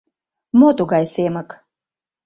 Мо тугай Семык?